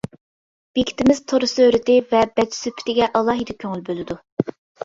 بېكىتىمىز تور سۈرىتى، ۋە بەت سۈپىتىگە ئالاھىدە كۆڭۈل بۆلىدۇ.